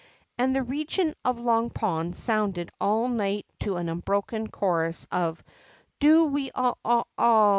And the region of Long Pond sounded all night to an unbroken chorus of: Do we all all all